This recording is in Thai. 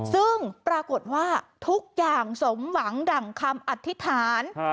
ซึ่งปรากฏว่าทุกอย่างสมหวังดั่งคำอธิษฐาน